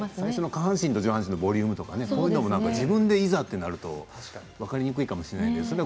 下半身のボリュームとかっていうのも自分でいざとなると分かりにくいかもしれないですね。